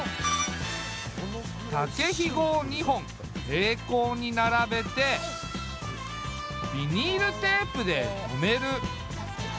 竹ひごを２本平行に並べてビニールテープで留める。